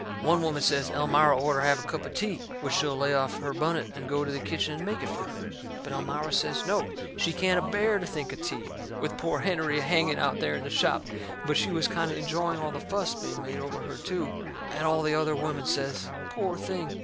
One woman says Elmira orter have a cup o' tea, which she'll lay off her bunnet and go to the kitchen and make it fur her. But Elmira says no, she can't a bear to think of tea, with poor Hennerey a hanging out there in the shop. But she was kind o' enjoying all that fuss being made over her, too. And all the other women says: "Poor thing!"